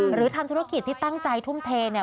หรือทำธุรกิจที่ตั้งใจทุ่มเทเนี่ย